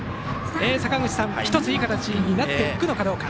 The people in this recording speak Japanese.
坂口さん、１ついい形になっていくかどうか。